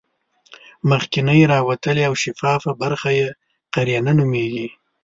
مخکینۍ راوتلې او شفافه برخه یې قرنیه نومیږي.